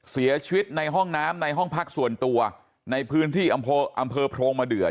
เสียชีวิตในห้องน้ำในห้องพักส่วนตัวในพื้นที่อำเภอโพรงมาเดือด